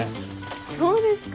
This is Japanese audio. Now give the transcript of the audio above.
そうですか？